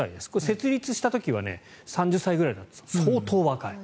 設立した時は３０歳ぐらいです、相当若い。